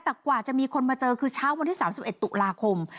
แต่กว่าจะมีคนมาเจอคือเช้าวันที่๓๑ตุลาคม